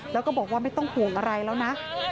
แล้วก็บอกว่าไม่ต้องห่วงอะไรแล้วนะ